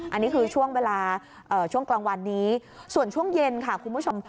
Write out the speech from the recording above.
อันนี้คือช่วงเวลาช่วงกลางวันนี้ส่วนช่วงเย็นค่ะคุณผู้ชม